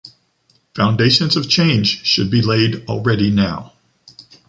Foundations of change should be laid already now.